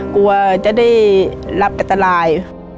กลัวจะได้รับอันตราย